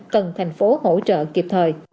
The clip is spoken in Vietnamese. cần thành phố hỗ trợ kịp